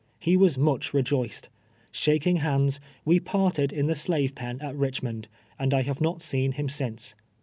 He was much rejoiced. Shaking hands, we parted in the slave pen at Richmond, and I have not seen him since.